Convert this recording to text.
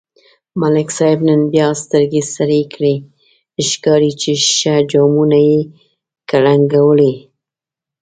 ملک صاحب نن بیا سترگې سرې کړي، ښکاري چې ښه جامونه یې کړنگولي.